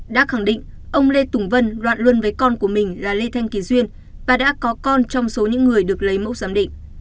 đã khẳng định ông lê tùng vân đoạn luân với con của mình là lê thanh kỳ duyên và đã có con trong số những người được lấy mẫu giám định